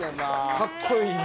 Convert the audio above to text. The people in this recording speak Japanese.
かっこいいな。